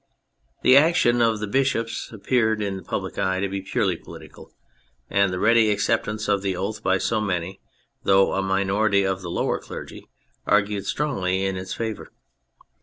The action of the bishops appeared in the public eye to be purely political, and the ready acceptance of the oath by so many, though a minority, of the lower clergy argued strongly in its favour.